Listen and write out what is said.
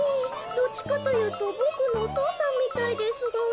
どっちかというとボクのお父さんみたいですが。